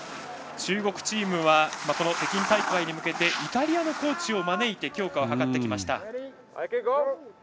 中国チームは北京大会に向けてイタリアのコーチを招いて強化を図ってきました。